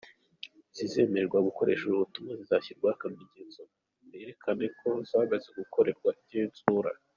Izizemererwa gukoresha ubu buryo zizashyirwaho akamenyetso kazerekana ko zamaze gukorerwa igenzura.